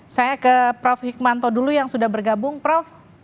saya ke prof hikmanto dulu yang sudah bergabung prof